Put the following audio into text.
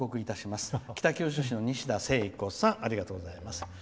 北九州市の、きしだせいこさんありがとうございます。